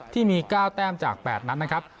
ที่มี๙แต้มจาก๘นัดนะครับ